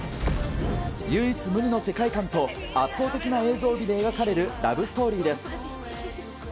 唯一無二の世界観と、圧倒的な映像美で描かれるラブストーリーです。